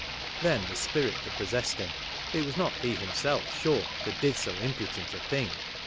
Then the spirit that possessed him (it was not he himself, sure, that did so impudent a thing